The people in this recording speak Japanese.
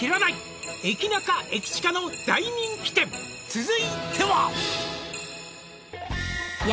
「続いては」